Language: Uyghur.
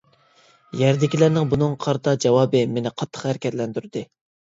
يەردىكىلەرنىڭ بۇنىڭغا قارىتا جاۋابى مېنى قاتتىق ھەرىكەتلەندۈردى.